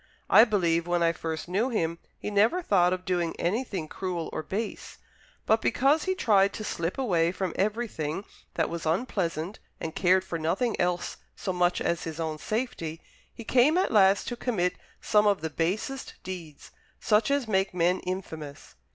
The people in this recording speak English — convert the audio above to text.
I believe, when I first knew him, he never thought of doing anything cruel or base. But because he tried to slip away from everything that was unpleasant, and cared for nothing else so much as his own safety, he came at last to commit some of the basest deeds such as make men infamous.